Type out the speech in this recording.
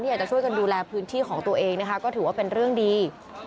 อยากจะช่วยกันดูแลพื้นที่ของตัวเองนะคะก็ถือว่าเป็นเรื่องดี